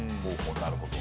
なるほど。